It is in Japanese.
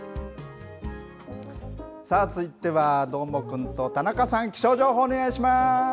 さあ続いては、どーもくんと田中さん、気象情報、お願いします。